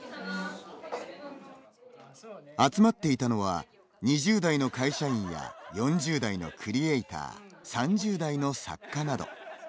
集まっていたのは２０代の会社員や４０代のクリエーター３０代の作家など。